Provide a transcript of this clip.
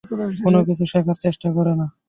কোনকিছু শেখার চেষ্টা করে না।